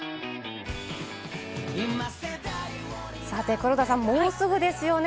黒田さん、もうすぐですよね。